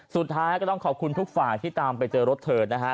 สุดท้ายก็ต้องขอบคุณทุกฝ่ายที่ตามไปเจอรถเธอนะฮะ